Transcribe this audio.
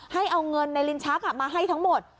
ให้เอาเงินในลิ้นชักมาให้ทั้งหมด